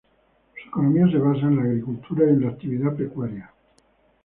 Su economía se basa en la agricultura y en la actividad pecuaria.